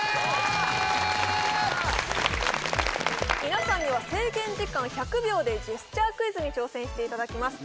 皆さんには制限時間１００秒でジェスチャークイズに挑戦していただきます